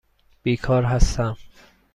بیکار هستم.